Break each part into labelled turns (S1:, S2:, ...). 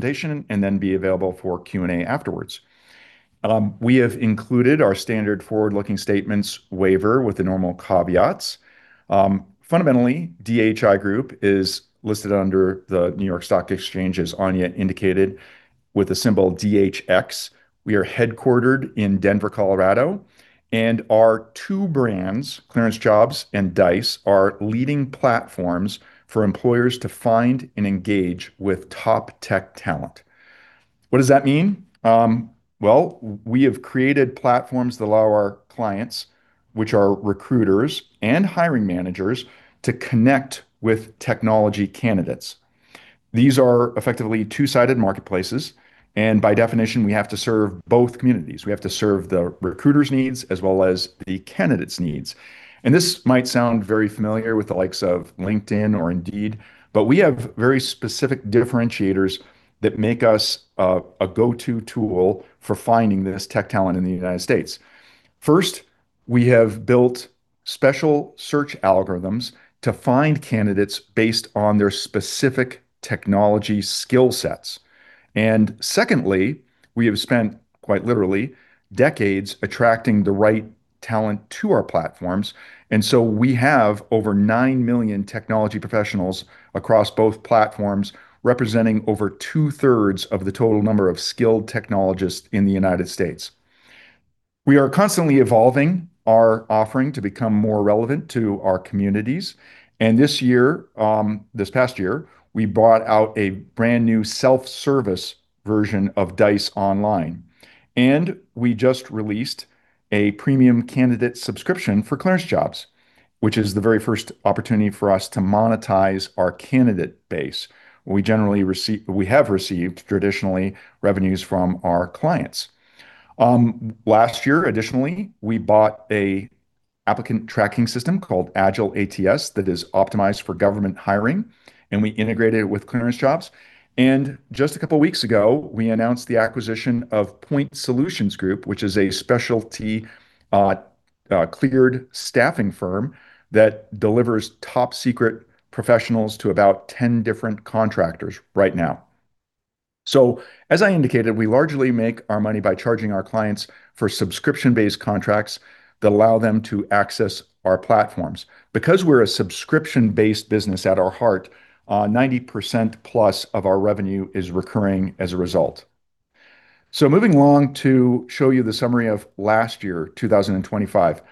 S1: presentation and then be available for Q&A afterwards. We have included our standard forward-looking statements waiver with the normal caveats. Fundamentally, DHI Group is listed under the New York Stock Exchange, as Anya indicated, with a symbol DHX. We are headquartered in Denver, Colorado, and our two brands, ClearanceJobs and Dice, are leading platforms for employers to find and engage with top tech talent. What does that mean? Well, we have created platforms that allow our clients, which are recruiters and hiring managers, to connect with technology candidates. These are effectively two-sided marketplaces, and by definition, we have to serve both communities. We have to serve the recruiters' needs as well as the candidates' needs. This might sound very familiar with the likes of LinkedIn or Indeed, but we have very specific differentiators that make us a go-to tool for finding this tech talent in the United States. First, we have built special search algorithms to find candidates based on their specific technology skill sets. Second, we have spent, quite literally, decades attracting the right talent to our platforms. We have over 9 million technology professionals across both platforms, representing over two-thirds of the total number of skilled technologists in the United States. We are constantly evolving our offering to become more relevant to our communities. This year, this past year, we bought out a brand-new self-service version of Dice online. We just released a premium candidate subscription for ClearanceJobs, which is the very first opportunity for us to monetize our candidate base. We have received, traditionally, revenues from our clients. Last year, additionally, we bought an applicant tracking system called Agile ATS that is optimized for government hiring, and we integrated it with ClearanceJobs. Just a couple weeks ago, we announced the acquisition of Point Solutions Group, which is a specialty cleared staffing firm that delivers top-secret professionals to about 10 different contractors right now. As I indicated, we largely make our money by charging our clients for subscription-based contracts that allow them to access our platforms. Because we're a subscription-based business at our heart, 90%+ of our revenue is recurring as a result. Moving along to show you the summary of last year, 2025,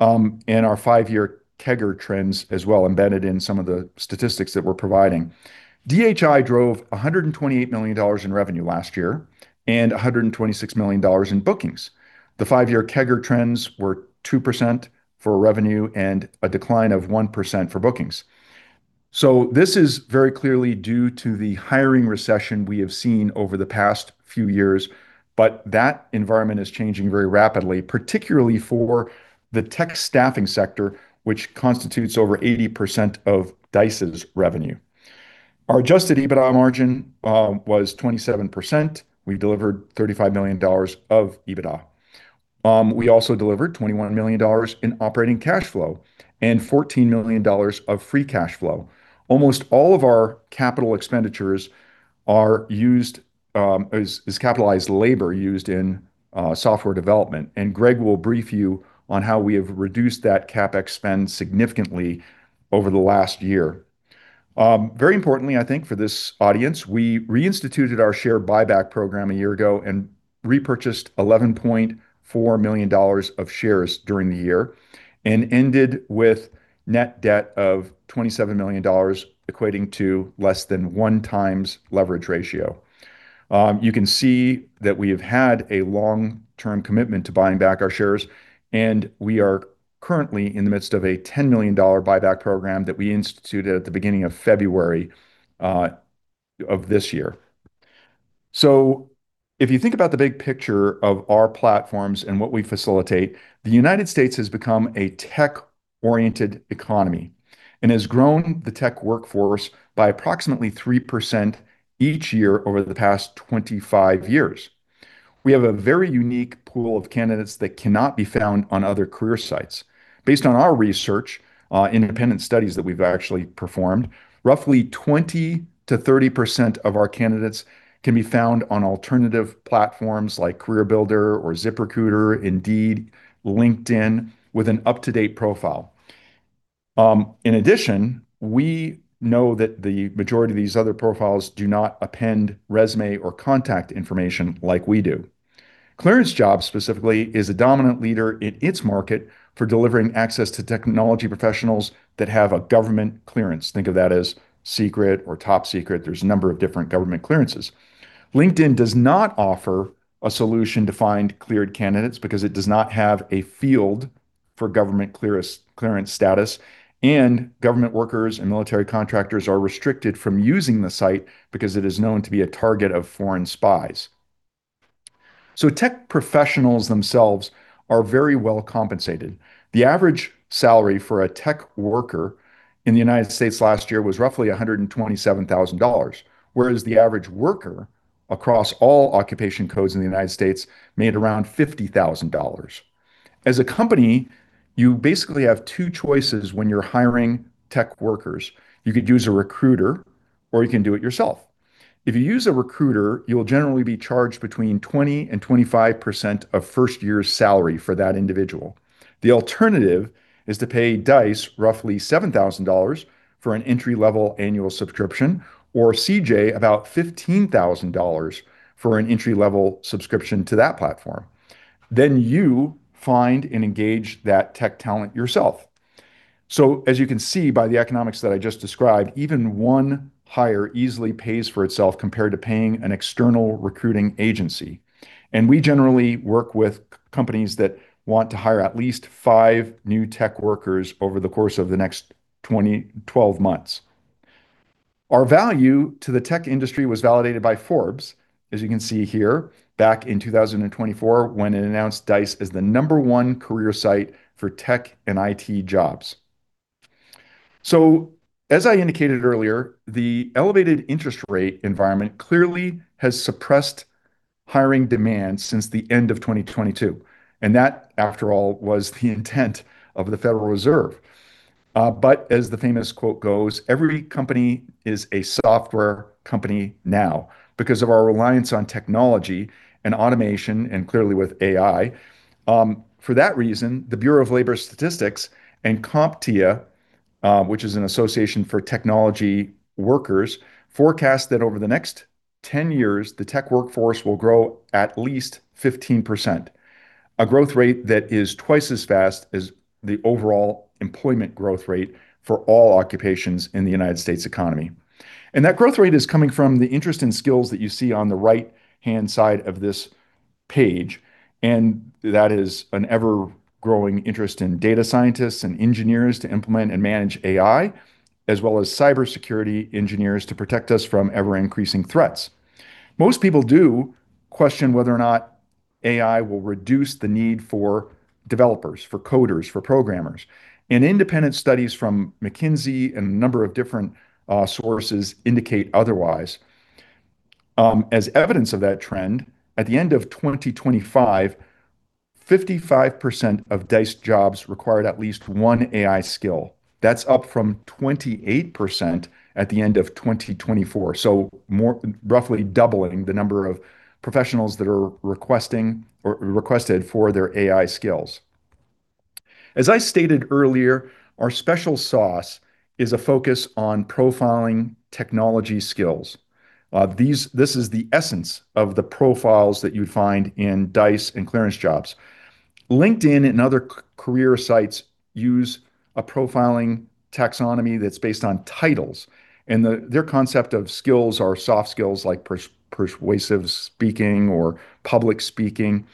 S1: and our five-year CAGR trends as well embedded in some of the statistics that we're providing. DHI drove $128 million in revenue last year and $126 million in bookings. The five-year CAGR trends were 2% for revenue and a decline of 1% for bookings. This is very clearly due to the hiring recession we have seen over the past few years, but that environment is changing very rapidly, particularly for the tech staffing sector, which constitutes over 80% of Dice's revenue. Our Adjusted EBITDA margin was 27%. We delivered $35 million of EBITDA. We also delivered $21 million in operating cash flow and $14 million of free cash flow. Almost all of our capital expenditures are used as capitalized labor used in software development, and Greg will brief you on how we have reduced that CapEx spend significantly over the last year. Very importantly, I think, for this audience, we reinstituted our share buyback program a year ago and repurchased $11.4 million of shares during the year and ended with net debt of $27 million, equating to less than 1x leverage ratio. You can see that we have had a long-term commitment to buying back our shares, and we are currently in the midst of a $10 million buyback program that we instituted at the beginning of February of this year. If you think about the big picture of our platforms and what we facilitate, the United States has become a tech-oriented economy and has grown the tech workforce by approximately 3% each year over the past 25 years. We have a very unique pool of candidates that cannot be found on other career sites. Based on our research, independent studies that we've actually performed, roughly 20%-30% of our candidates can be found on alternative platforms like CareerBuilder or ZipRecruiter, Indeed, LinkedIn, with an up-to-date profile. In addition, we know that the majority of these other profiles do not append resume or contact information like we do. ClearanceJobs specifically is a dominant leader in its market for delivering access to technology professionals that have a government clearance. Think of that as secret or top secret. There's a number of different government clearances. LinkedIn does not offer a solution to find cleared candidates because it does not have a field for government clearance status, and government workers and military contractors are restricted from using the site because it is known to be a target of foreign spies. Tech professionals themselves are very well compensated. The average salary for a tech worker in the United States last year was roughly $127,000, whereas the average worker across all occupation codes in the United States made around $50,000. As a company, you basically have two choices when you're hiring tech workers. You could use a recruiter or you can do it yourself. If you use a recruiter, you will generally be charged between 20% and 25% of first year's salary for that individual. The alternative is to pay Dice roughly $7,000 for an entry-level annual subscription or CJ about $15,000 for an entry-level subscription to that platform. You find and engage that tech talent yourself. As you can see by the economics that I just described, even one hire easily pays for itself compared to paying an external recruiting agency. We generally work with companies that want to hire at least five new tech workers over the course of the next 12 months. Our value to the tech industry was validated by Forbes, as you can see here, back in 2024 when it announced Dice as the number 1 career site for tech and IT jobs. As I indicated earlier, the elevated interest rate environment clearly has suppressed hiring demand since the end of 2022, and that, after all, was the intent of the Federal Reserve. As the famous quote goes, "Every company is a software company now," because of our reliance on technology and automation, and clearly with AI. For that reason, the Bureau of Labor Statistics and CompTIA, which is an association for technology workers, forecast that over the next 10 years, the tech workforce will grow at least 15%, a growth rate that is twice as fast as the overall employment growth rate for all occupations in the United States economy. That growth rate is coming from the interest and skills that you see on the right-hand side of this page, and that is an ever-growing interest in data scientists and engineers to implement and manage AI, as well as cybersecurity engineers to protect us from ever-increasing threats. Most people do question whether or not AI will reduce the need for developers, for coders, for programmers, and independent studies from McKinsey and a number of different sources indicate otherwise. As evidence of that trend, at the end of 2025, 55% of Dice jobs required at least one AI skill. That's up from 28% at the end of 2024. Roughly doubling the number of professionals that are requesting or requested for their AI skills. As I stated earlier, our special sauce is a focus on profiling technology skills. This is the essence of the profiles that you'd find in Dice and ClearanceJobs. LinkedIn and other career sites use a profiling taxonomy that's based on titles, and their concept of skills are soft skills like persuasive speaking or public speaking.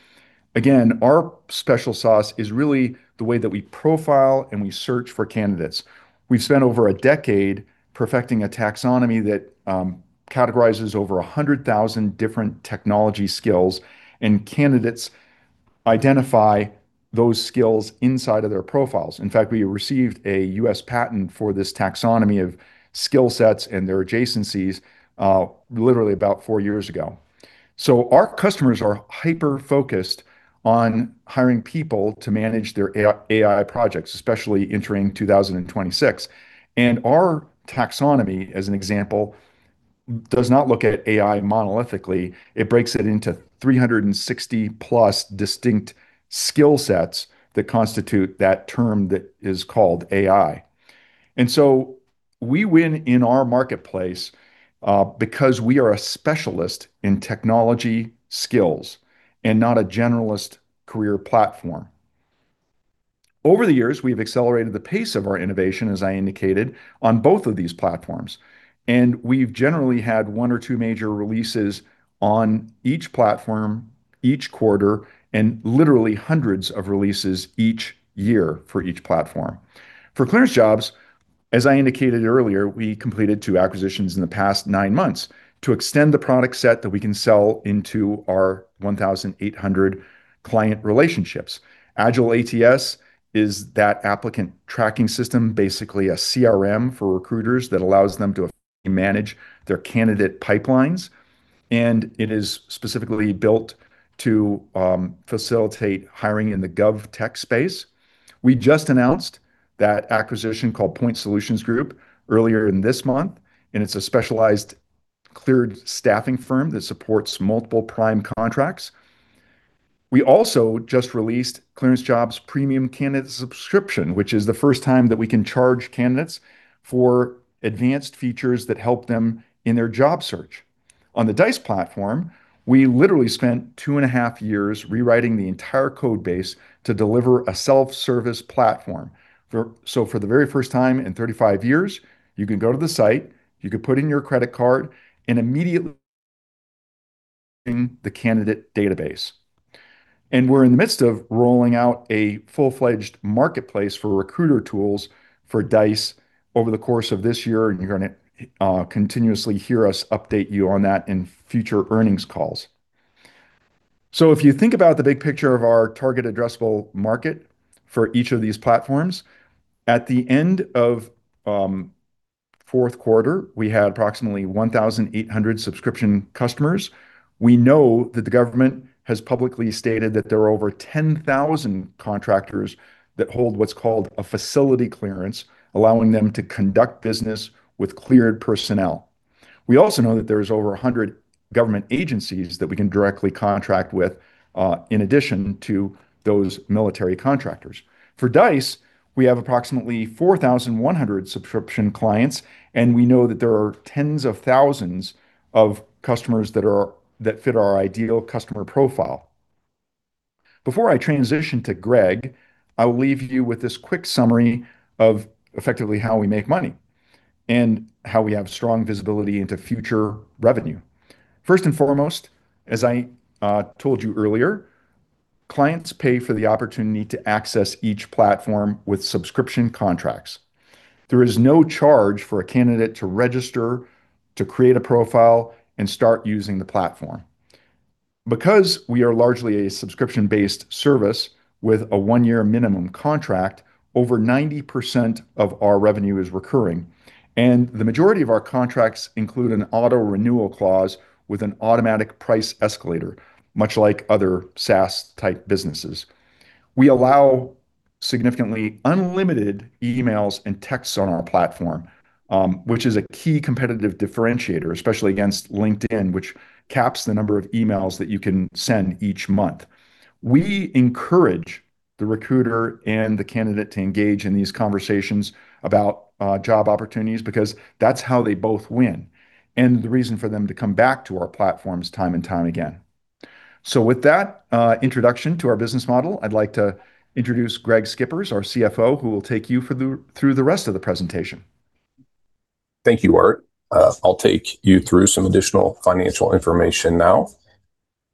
S1: Again, our special sauce is really the way that we profile and we search for candidates. We've spent over a decade perfecting a taxonomy that categorizes over 100,000 different technology skills, and candidates identify those skills inside of their profiles. In fact, we received a U.S. patent for this taxonomy of skill sets and their adjacencies, literally about four years ago. Our customers are hyper-focused on hiring people to manage their AI projects, especially entering 2026. Our taxonomy, as an example, does not look at AI monolithically. It breaks it into 360+ distinct skill sets that constitute that term that is called AI. We win in our marketplace, because we are a specialist in technology skills and not a generalist career platform. Over the years, we've accelerated the pace of our innovation, as I indicated, on both of these platforms, and we've generally had one or two major releases on each platform each quarter, and literally hundreds of releases each year for each platform. For ClearanceJobs, as I indicated earlier, we completed 2 acquisitions in the past nine months to extend the product set that we can sell into our 1,800 client relationships. AgileATS is that applicant tracking system, basically a CRM for recruiters that allows them to manage their candidate pipelines, and it is specifically built to facilitate hiring in the GovTech space. We just announced that acquisition called Point Solutions Group earlier in this month, and it's a specialized cleared staffing firm that supports multiple prime contracts. We also just released ClearanceJobs Premium Candidate Subscription, which is the first time that we can charge candidates for advanced features that help them in their job search. On the Dice platform, we literally spent two and a half years rewriting the entire code base to deliver a self-service platform. For the very first time in 35 years, you can go to the site, you can put in your credit card, and immediately in the candidate database. We're in the midst of rolling out a full-fledged marketplace for recruiter tools for Dice over the course of this year, and you're gonna continuously hear us update you on that in future earnings calls. If you think about the big picture of our target addressable market for each of these platforms, at the end of fourth quarter, we had approximately 1,800 subscription customers. We know that the government has publicly stated that there are over 10,000 contractors that hold what's called a facility clearance, allowing them to conduct business with cleared personnel. We also know that there's over 100 government agencies that we can directly contract with, in addition to those military contractors. For Dice, we have approximately 4,100 subscription clients, and we know that there are tens of thousands of customers that fit our ideal customer profile. Before I transition to Greg, I'll leave you with this quick summary of effectively how we make money and how we have strong visibility into future revenue. First and foremost, as I told you earlier, clients pay for the opportunity to access each platform with subscription contracts. There is no charge for a candidate to register, to create a profile and start using the platform. Because we are largely a subscription-based service with a one-year minimum contract, over 90% of our revenue is recurring, and the majority of our contracts include an auto-renewal clause with an automatic price escalator, much like other SaaS-type businesses. We allow significantly unlimited emails and texts on our platform, which is a key competitive differentiator, especially against LinkedIn, which caps the number of emails that you can send each month. We encourage the recruiter and the candidate to engage in these conversations about job opportunities because that's how they both win, and the reason for them to come back to our platforms time and time again. With that, introduction to our business model, I'd like to introduce Greg Schippers, our CFO, who will take you through the rest of the presentation.
S2: Thank you, Art. I'll take you through some additional financial information now.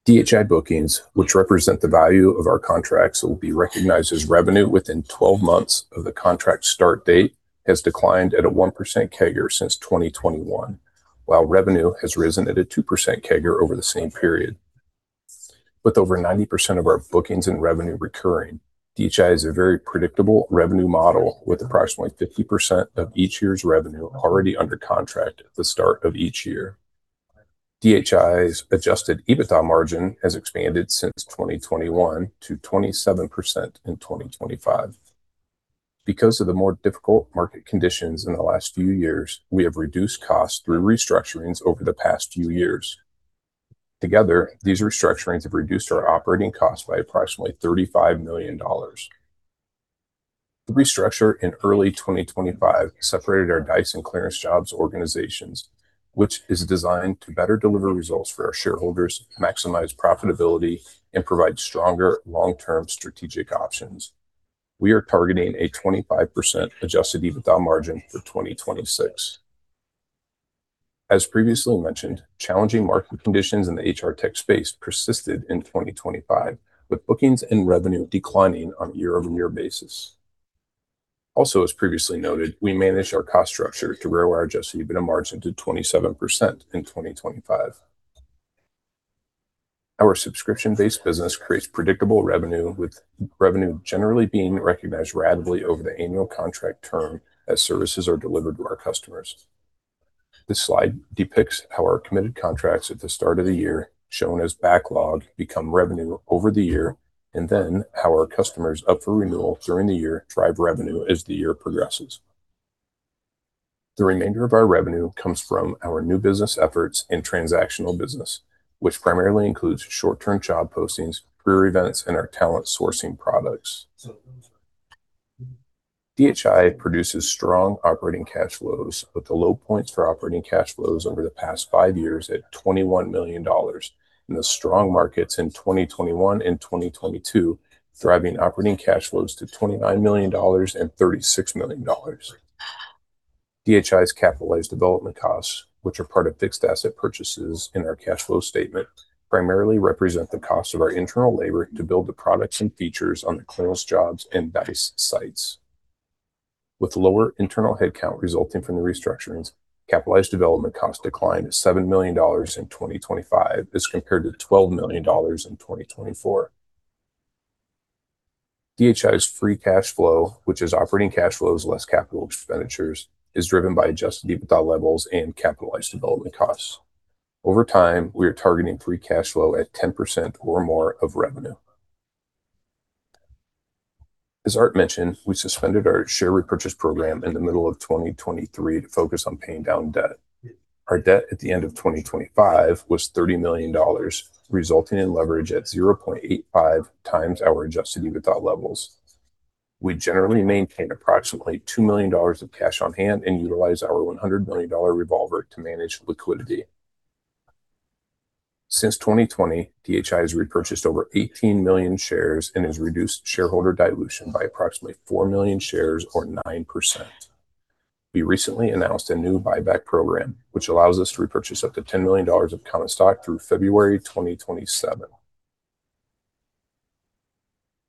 S2: DHI bookings, which represent the value of our contracts, will be recognized as revenue within 12 months of the contract start date, has declined at a 1% CAGR since 2021, while revenue has risen at a 2% CAGR over the same period. With over 90% of our bookings and revenue recurring, DHI is a very predictable revenue model with approximately 50% of each year's revenue already under contract at the start of each year. DHI's Adjusted EBITDA margin has expanded since 2021 to 27% in 2025. Because of the more difficult market conditions in the last few years, we have reduced costs through restructurings over the past few years. Together, these restructurings have reduced our operating cost by approximately $35 million. The restructure in early 2025 separated our Dice and ClearanceJobs organizations, which is designed to better deliver results for our shareholders, maximize profitability, and provide stronger long-term strategic options. We are targeting a 25% Adjusted EBITDA margin for 2026. As previously mentioned, challenging market conditions in the HR tech space persisted in 2025, with bookings and revenue declining on year-over-year basis. Also, as previously noted, we managed our cost structure to grow our Adjusted EBITDA margin to 27% in 2025. Our subscription-based business creates predictable revenue, with revenue generally being recognized ratably over the annual contract term as services are delivered to our customers. This slide depicts how our committed contracts at the start of the year, shown as backlog, become revenue over the year, and then how our customers up for renewal during the year drive revenue as the year progresses. The remainder of our revenue comes from our new business efforts and transactional business, which primarily includes short-term job postings, career events, and our talent sourcing products. DHI produces strong operating cash flows, with the low points for operating cash flows over the past five years at $21 million, and the strong markets in 2021 and 2022 driving operating cash flows to $29 million and $36 million. DHI's capitalized development costs, which are part of fixed asset purchases in our cash flow statement, primarily represent the cost of our internal labor to build the products and features on the ClearanceJobs and Dice sites. With lower internal headcount resulting from the restructurings, capitalized development costs declined to $7 million in 2025 as compared to $12 million in 2024. DHI's free cash flow, which is operating cash flows less capital expenditures, is driven by Adjusted EBITDA levels and capitalized development costs. Over time, we are targeting free cash flow at 10% or more of revenue. As Art mentioned, we suspended our share repurchase program in the middle of 2023 to focus on paying down debt. Our debt at the end of 2025 was $30 million, resulting in leverage at 0.85 times our Adjusted EBITDA levels. We generally maintain approximately $2 million of cash on hand and utilize our $100 million revolver to manage liquidity. Since 2020, DHI has repurchased over 18 million shares and has reduced shareholder dilution by approximately 4 million shares or 9%. We recently announced a new buyback program, which allows us to repurchase up to $10 million of common stock through February 2027.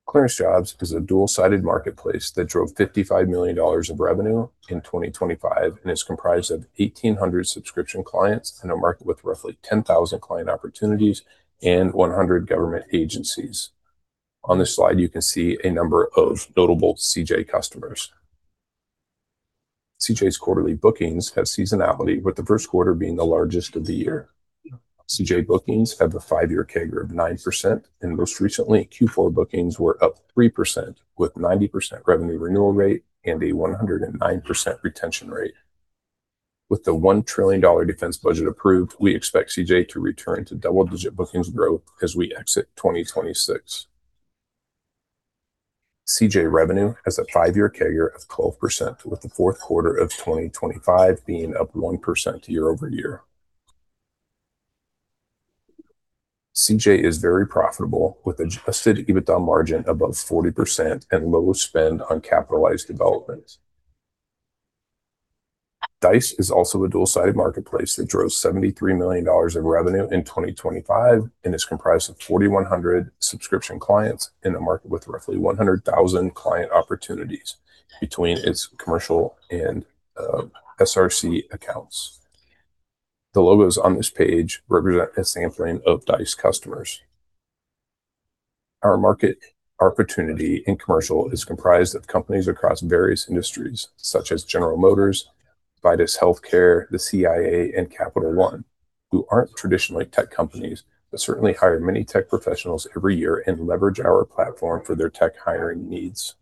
S2: ClearanceJobs is a dual-sided marketplace that drove $55 million of revenue in 2025, and is comprised of 1,800 subscription clients in a market with roughly 10,000 client opportunities and 100 government agencies. On this slide, you can see a number of notable CJ customers. CJ's quarterly bookings have seasonality, with the first quarter being the largest of the year. CJ bookings have a five-year CAGR of 9% and most recently, Q4 bookings were up 3% with 90% revenue renewal rate and a 109% retention rate. With the $1 trillion defense budget approved, we expect CJ to return to double-digit bookings growth as we exit 2026. CJ revenue has a five-year CAGR of 12%, with the fourth quarter of 2025 being up 1% year-over-year. CJ is very profitable with Adjusted EBITDA margin above 40% and low spend on capitalized development. Dice is also a dual-sided marketplace that drove $73 million of revenue in 2025 and is comprised of 4,100 subscription clients in a market with roughly 100,000 client opportunities between its commercial and SRC accounts. The logos on this page represent a sampling of Dice customers. Our market opportunity in commercial is comprised of companies across various industries such as General Motors, VITAS Healthcare, the CIA, and Capital One, who aren't traditionally tech companies, but certainly hire many tech professionals every year and leverage our platform for their tech hiring needs.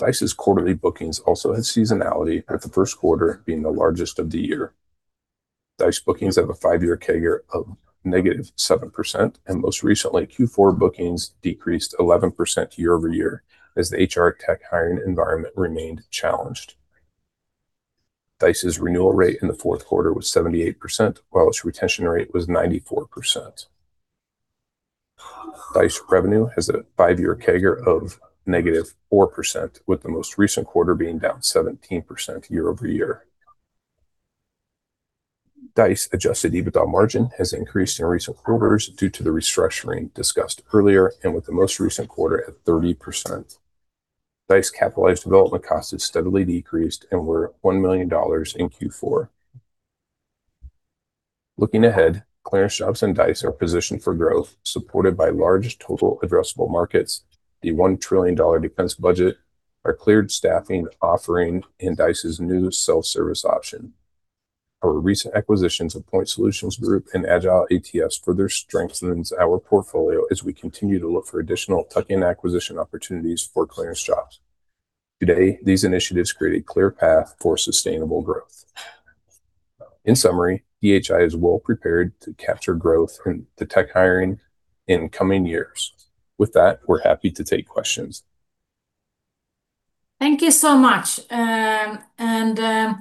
S2: Dice's quarterly bookings also had seasonality, with the first quarter being the largest of the year. Dice bookings have a five-year CAGR of -7%, and most recently, Q4 bookings decreased 11% year-over-year as the HR tech hiring environment remained challenged. Dice's renewal rate in the fourth quarter was 78%, while its retention rate was 94%. Dice revenue has a five-year CAGR of -4%, with the most recent quarter being down 17% year-over-year. Dice Adjusted EBITDA margin has increased in recent quarters due to the restructuring discussed earlier and with the most recent quarter at 30%. Dice capitalized development costs have steadily decreased and were $1 million in Q4. Looking ahead, ClearanceJobs and Dice are positioned for growth, supported by large total addressable markets. $1 trillion defense budget, our cleared staffing offering, and Dice's new self-service option. Our recent acquisitions of Point Solutions Group and AgileATS further strengthens our portfolio as we continue to look for additional tuck-in acquisition opportunities for ClearanceJobs. Today, these initiatives create a clear path for sustainable growth. In summary, DHI is well prepared to capture growth in the tech hiring in coming years. With that, we're happy to take questions.
S3: Thank you so much. For the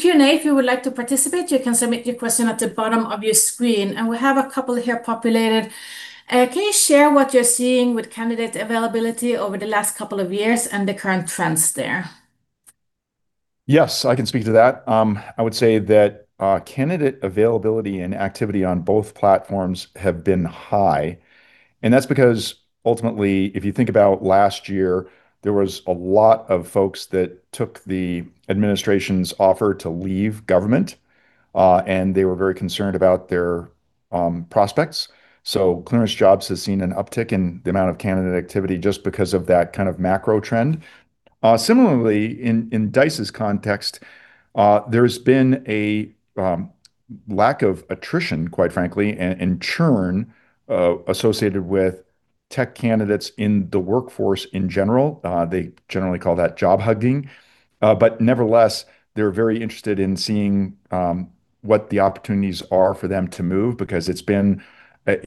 S3: Q&A, if you would like to participate, you can submit your question at the bottom of your screen. We have a couple here populated. Can you share what you're seeing with candidate availability over the last couple of years and the current trends there?
S1: Yes, I can speak to that. I would say that candidate availability and activity on both platforms have been high. That's because ultimately, if you think about last year, there was a lot of folks that took the administration's offer to leave government, and they were very concerned about their prospects. ClearanceJobs has seen an uptick in the amount of candidate activity just because of that kind of macro trend. Similarly, in Dice's context, there's been a lack of attrition, quite frankly, and churn associated with tech candidates in the workforce in general. They generally call that job hugging. Nevertheless, they're very interested in seeing what the opportunities are for them to move, because it's been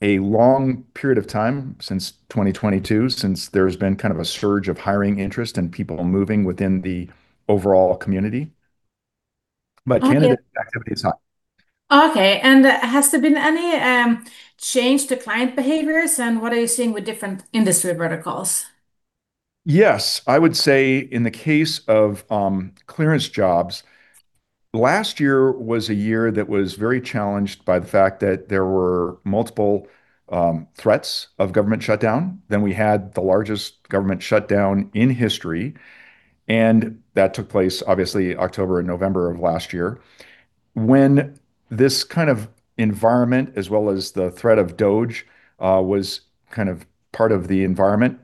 S1: a long period of time since 2022, since there's been kind of a surge of hiring interest and people moving within the overall community. Candidate activity is high.
S3: Okay. Has there been any change to client behaviors and what are you seeing with different industry verticals?
S1: Yes. I would say in the case of ClearanceJobs, last year was a year that was very challenged by the fact that there were multiple threats of government shutdown. We had the largest government shutdown in history, and that took place obviously October and November of last year. When this kind of environment, as well as the threat of DOGE, was kind of part of the environment,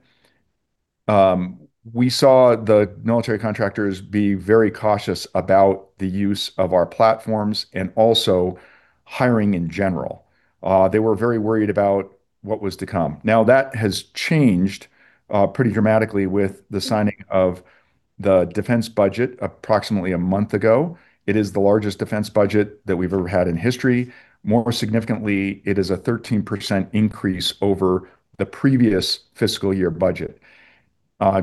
S1: we saw the military contractors be very cautious about the use of our platforms and also hiring in general. They were very worried about what was to come. Now, that has changed pretty dramatically with the signing of the defense budget approximately a month ago. It is the largest defense budget that we've ever had in history. More significantly, it is a 13% increase over the previous fiscal year budget.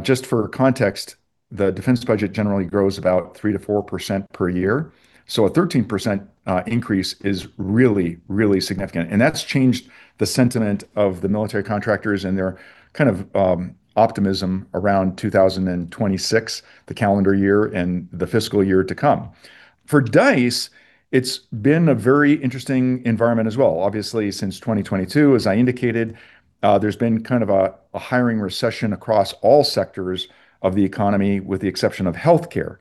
S1: Just for context, the defense budget generally grows about 3%-4% per year. A 13% increase is really, really significant, and that's changed the sentiment of the military contractors and their kind of optimism around 2026, the calendar year and the fiscal year to come. For Dice, it's been a very interesting environment as well. Obviously, since 2022, as I indicated, there's been kind of a hiring recession across all sectors of the economy with the exception of healthcare.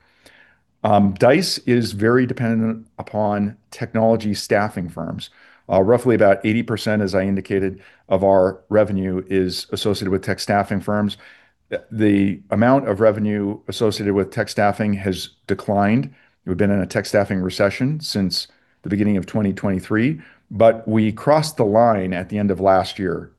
S1: Dice is very dependent upon technology staffing firms. Roughly about 80%, as I indicated, of our revenue is associated with tech staffing firms. The amount of revenue associated with tech staffing has declined. We've been in a tech staffing recession since the beginning of 2023, but we crossed the line at the end of last year.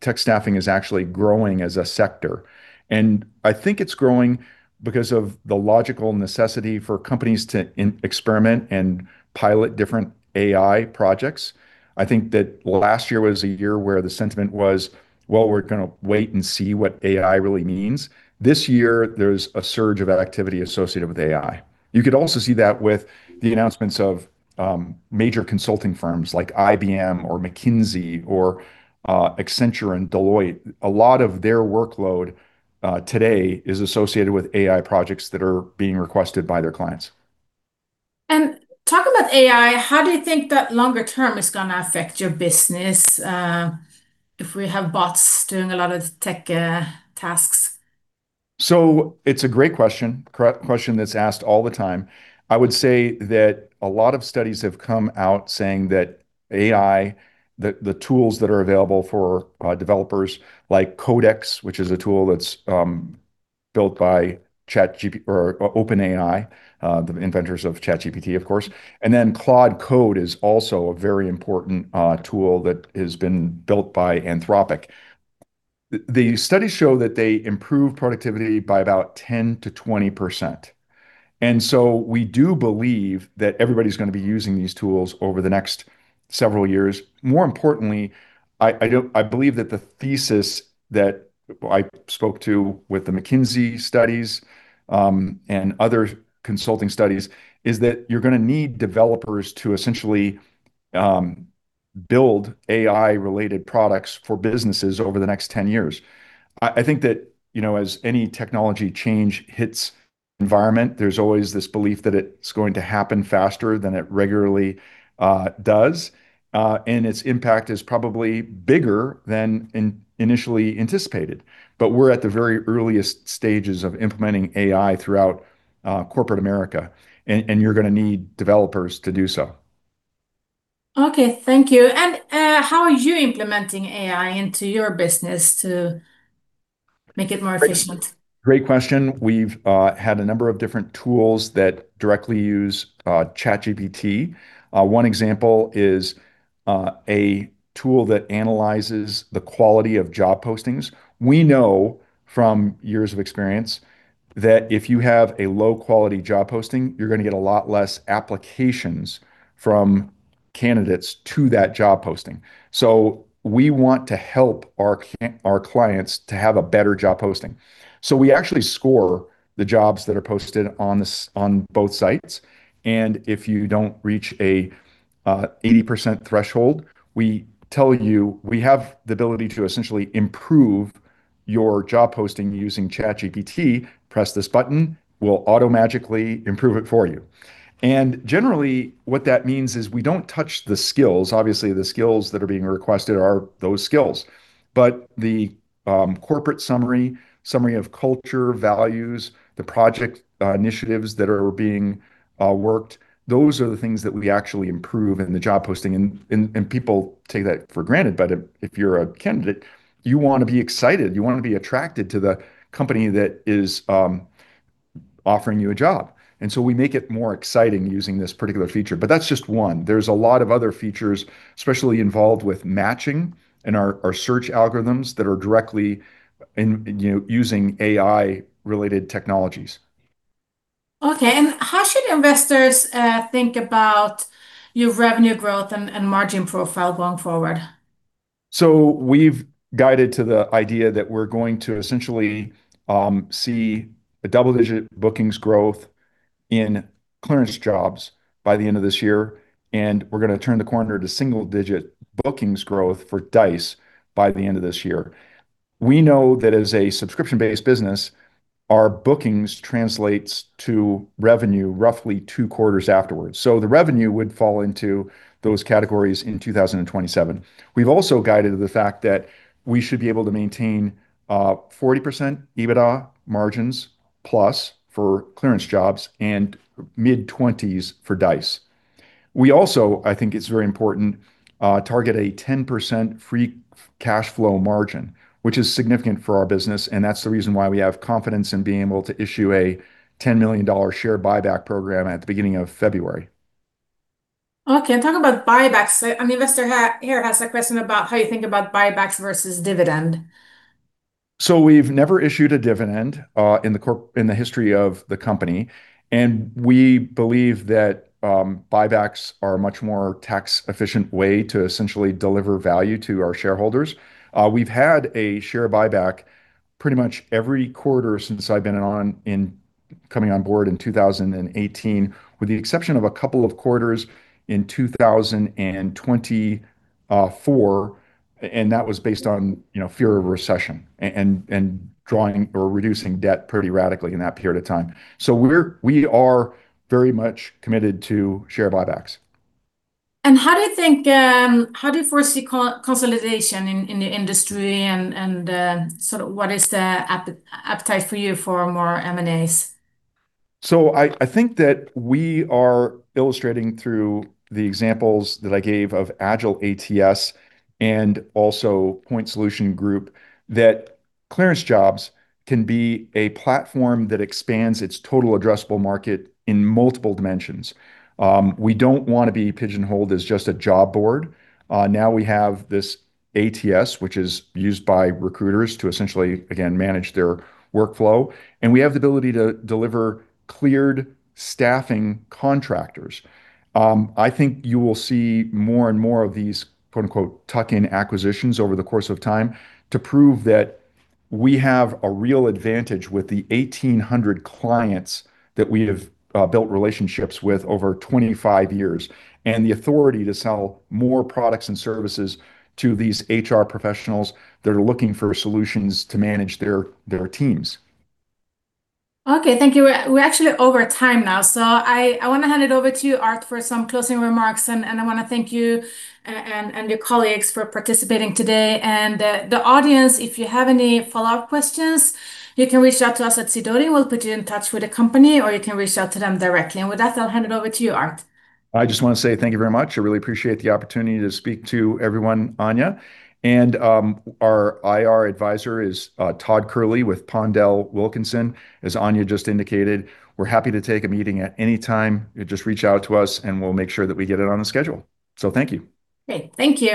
S1: Tech staffing is actually growing as a sector, and I think it's growing because of the logical necessity for companies to experiment and pilot different AI projects. I think that last year was a year where the sentiment was, "Well, we're gonna wait and see what AI really means." This year there's a surge of activity associated with AI. You could also see that with the announcements of major consulting firms like IBM or McKinsey or Accenture and Deloitte. A lot of their workload today is associated with AI projects that are being requested by their clients.
S3: Talking about AI, how do you think that longer term it's gonna affect your business, if we have bots doing a lot of tech tasks?
S1: It's a great question that's asked all the time. I would say that a lot of studies have come out saying that AI, the tools that are available for developers like Codex, which is a tool that's built by ChatGPT or OpenAI, the inventors of ChatGPT, of course, and then Claude Code is also a very important tool that has been built by Anthropic. The studies show that they improve productivity by about 10%-20%, we do believe that everybody's gonna be using these tools over the next several years. More importantly, I believe that the thesis that I spoke to with the McKinsey studies and other consulting studies is that you're gonna need developers to essentially build AI-related products for businesses over the next 10 years. I think that, you know, as any technology change hits environment, there's always this belief that it's going to happen faster than it regularly does, and its impact is probably bigger than initially anticipated. We're at the very earliest stages of implementing AI throughout corporate America, and you're gonna need developers to do so.
S3: Okay. Thank you. How are you implementing AI into your business to make it more efficient?
S1: Great question. We've had a number of different tools that directly use ChatGPT. One example is a tool that analyzes the quality of job postings. We know from years of experience that if you have a low-quality job posting, you're gonna get a lot less applications from candidates to that job posting. We want to help our clients to have a better job posting. We actually score the jobs that are posted on both sites, and if you don't reach an 80% threshold, we tell you we have the ability to essentially improve your job posting using ChatGPT. Press this button, we'll automagically improve it for you. Generally, what that means is we don't touch the skills. Obviously, the skills that are being requested are those skills, but the corporate summary of culture, values, the project initiatives that are being worked, those are the things that we actually improve in the job posting and people take that for granted. If you're a candidate, you wanna be excited, you wanna be attracted to the company that is offering you a job. We make it more exciting using this particular feature. That's just one. There's a lot of other features, especially involved with matching in our search algorithms that are directly you know, using AI-related technologies.
S3: Okay. How should investors think about your revenue growth and margin profile going forward?
S1: We've guided to the idea that we're going to essentially see a double-digit bookings growth in ClearanceJobs by the end of this year, and we're gonna turn the corner to single digit bookings growth for Dice by the end of this year. We know that as a subscription-based business, our bookings translates to revenue roughly two quarters afterwards, so the revenue would fall into those categories in 2027. We've also guided the fact that we should be able to maintain 40% EBITDA margins plus for ClearanceJobs and mid-20s% for Dice. We also, I think it's very important, target a 10% free cash flow margin, which is significant for our business, and that's the reason why we have confidence in being able to issue a $10 million share buyback program at the beginning of February.
S3: Okay. Talking about buybacks, an investor here has a question about how you think about buybacks versus dividend.
S1: We've never issued a dividend in the history of the company, and we believe that buybacks are a much more tax efficient way to essentially deliver value to our shareholders. We've had a share buyback pretty much every quarter since coming on board in 2018, with the exception of a couple of quarters in 2024, and that was based on, you know, fear of recession and drawing or reducing debt pretty radically in that period of time. We are very much committed to share buybacks.
S3: How do you foresee consolidation in the industry and sort of what is the appetite for you for more M&As?
S1: I think that we are illustrating through the examples that I gave of AgileATS and also Point Solutions Group, that ClearanceJobs can be a platform that expands its total addressable market in multiple dimensions. We don't wanna be pigeonholed as just a job board. Now we have this ATS, which is used by recruiters to essentially, again, manage their workflow, and we have the ability to deliver cleared staffing contractors. I think you will see more and more of these "tuck-in acquisitions" over the course of time to prove that we have a real advantage with the 1,800 clients that we have built relationships with over 25 years, and the authority to sell more products and services to these HR professionals that are looking for solutions to manage their teams.
S3: Okay. Thank you. We're actually over time now, so I wanna hand it over to you, Art, for some closing remarks. I wanna thank you and your colleagues for participating today. The audience, if you have any follow-up questions, you can reach out to us at Sidoti. We'll put you in touch with the company, or you can reach out to them directly. With that, I'll hand it over to you, Art.
S1: I just wanna say thank you very much. I really appreciate the opportunity to speak to everyone, Anya. Our IR advisor is Todd Kehrli with PondelWilkinson. As Anya just indicated, we're happy to take a meeting at any time. Just reach out to us and we'll make sure that we get it on the schedule. Thank you.
S3: Okay. Thank you.